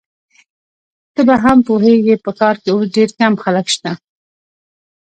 ته به هم پوهیږې، په ښار کي اوس ډېر کم خلک شته.